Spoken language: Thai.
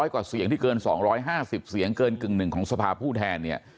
กว่าเสียงที่เกิน๒๕๐เสียงเกินกึ่งหนึ่งของสภาผู้แทนเนี่ย